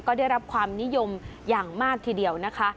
ก็ได้รับความนิยมอย่างมากทีเดียวนะคะ